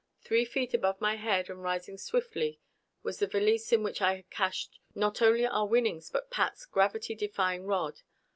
Three feet above my head and rising swiftly was the valise in which I had cached not only our winnings but Pat's gravity defying rod!